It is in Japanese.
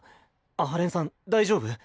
阿波連さん大丈夫？